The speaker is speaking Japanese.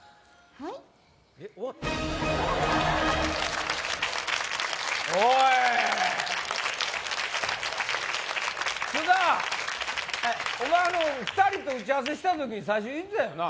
はいお前あの２人と打ち合わせした時に最初言ってたよな